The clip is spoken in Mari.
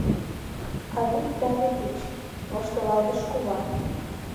А вӱд таве тич, — воштылалеш кува.